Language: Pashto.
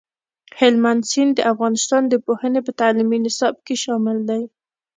هلمند سیند د افغانستان د پوهنې په تعلیمي نصاب کې شامل دی.